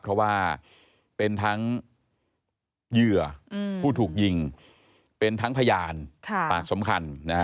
เพราะว่าเป็นทั้งเหยื่อผู้ถูกยิงเป็นทั้งพยานปากสำคัญนะฮะ